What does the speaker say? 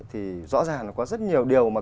thì rõ ràng là có rất nhiều điều mà